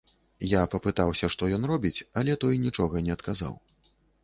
Я папытаўся, што ён робіць, але той нічога не адказаў.